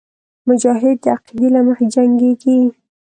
مجاهد د عقیدې له مخې جنګېږي.